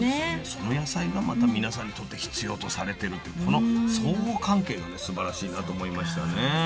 その野菜がまた皆さんにとって必要とされてるってこの相互関係がすばらしいなと思いましたね。